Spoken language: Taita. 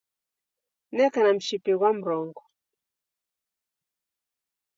Neka na mshipi ghwa mrongo